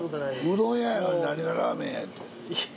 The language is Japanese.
うどん屋やのに何がラーメンやって。